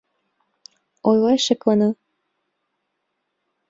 Ойлаш шеклана.